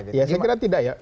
saya kira tidak ya